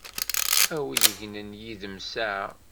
A wi yegnen yid-m saɛa!